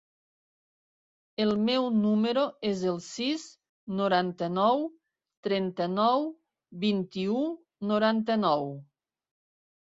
El meu número es el sis, noranta-nou, trenta-nou, vint-i-u, noranta-nou.